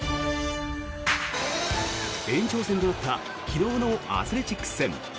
延長戦となった昨日のアスレチックス戦。